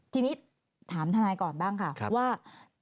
ทีนี้ถามทนายก่อนบ้างค่ะว่า